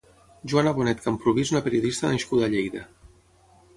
Joana Bonet Camprubí és una periodista nascuda a Lleida.